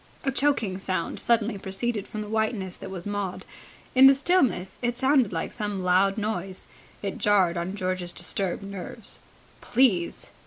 A choking sound suddenly proceeded from the whiteness that was Maud. In the stillness it sounded like some loud noise. It jarred on George's disturbed nerves. "Please!"